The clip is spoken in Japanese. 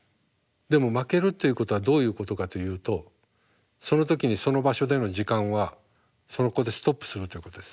でも負けるっていうことはどういうことかというとその時にその場所での時間はそこでストップするということです。